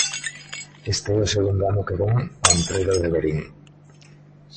Este é o segundo ano que vén ao Entroido de Verín.